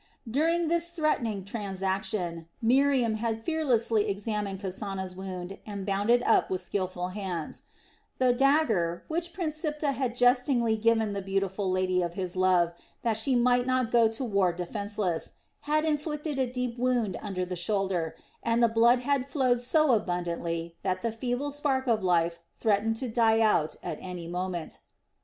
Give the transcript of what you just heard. During this threatening transaction, Miriam had fearlessly examined Kasana's wound and bound it up with skilful hands, The dagger which Prince Siptah had jestingly given the beautiful lady of his love, that she might not go to war defenceless, had inflicted a deep wound under the shoulder, and the blood had flowed so abundantly that the feeble spark of life threatened to die out at any moment.